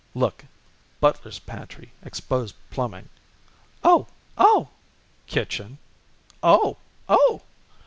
"Look, butler's pantry, exposed plumbing." "Oh! Oh!" "Kitchen." "Oh! Oh!"